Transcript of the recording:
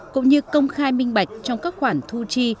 cũng như công khai minh bạch trong các khoản thu chi